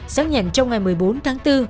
xác nhận trong ngày một mươi bốn tháng bốn